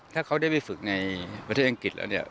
ถ้าเขาได้ไปฝึกในประเทศอังกฤษแล้วเนี่ย